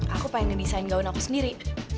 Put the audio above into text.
aku pengen ngedesain gaun aku sendiri